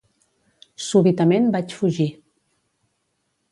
Súbitament vaig fugir.